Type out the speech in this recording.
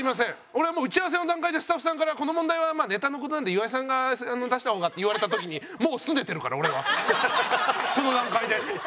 俺はもう打ち合わせの段階でスタッフさんから「この問題はまあネタの事なんで岩井さんが出した方が」って言われた時にもうすねてるから俺はその段階で。